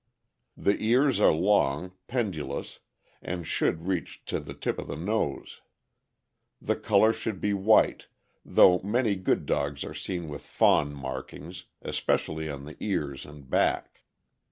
The ears are long, pendulous, and should reach to the tip of the nose. The color should be white, though many good dogs are seen with fawn markings, especially on the ears and back.